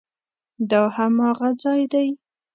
دا هماغه ځای دی؟